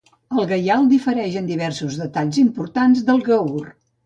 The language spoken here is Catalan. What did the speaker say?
El gaial difereix en diversos detalls importants del gaur.